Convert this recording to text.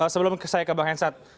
sebelum saya ke bang hensat